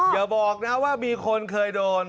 อย่าบอกนะว่ามีคนเคยโดน